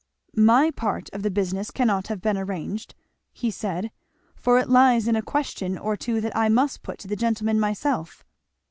"My part of the business cannot have been arranged," he said, "for it lies in a question or two that I must put to the gentleman myself."